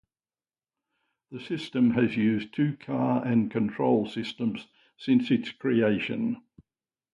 The system has used two car and control systems since its creation.